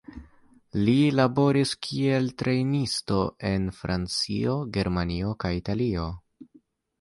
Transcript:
Li laboris kiel trejnisto en Francio, Germanio kaj Italio.